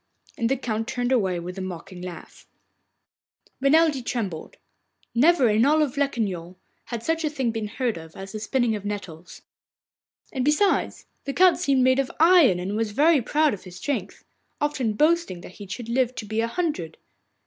And the Count turned away with a mocking laugh. Renelde trembled. Never in all Locquignol had such a thing been heard of as the spinning of nettles. And besides, the Count seemed made of iron and was very proud of his strength, often boasting that he should live to be a hundred.